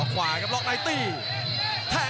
กำปั้นขวาสายวัดระยะไปเรื่อย